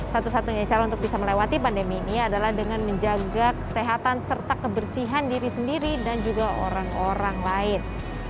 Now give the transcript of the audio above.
satu satunya cara untuk bisa melewati pandemi ini adalah dengan menjaga kesehatan serta kebersihan diri sendiri dan juga orang orang lain